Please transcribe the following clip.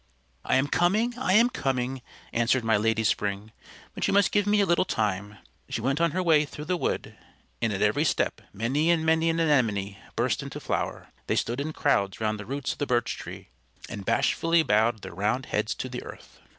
"I am coming, I am coming," answered my Lady Spring. "But you must give me a little time." She went on her way through the wood, and at every step many and many an Anemone burst into flower. They stood in crowds round the roots of the Birch Tree, and bashfully bowed their round heads to the earth.